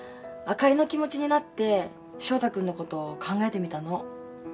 あかりの気持ちになって翔太君のことを考えてみたの。